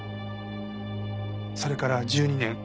それから１２年。